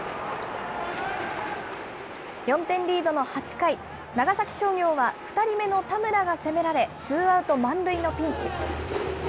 ４点リードの８回、長崎商業は２人目の田村が攻められ、ツーアウト満塁のピンチ。